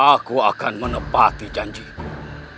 aku akan menepati janjiku